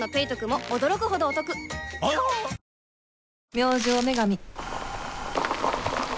明星麺神